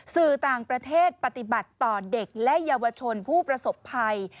สื่อต่างประเทศปฏิบัติต่อเด็กและเยาวชนผู้ประสบภัย